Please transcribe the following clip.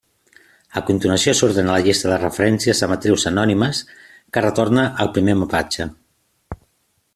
A continuació s'ordena la llista de referències de matrius anònimes que retorna el primer mapatge.